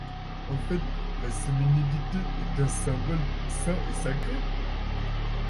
En fait, la semi-nudité est un symbole sain et sacré.